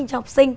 cho học sinh